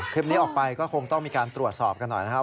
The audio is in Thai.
คลิปนี้ออกไปก็คงต้องมีการตรวจสอบกันหน่อยนะครับ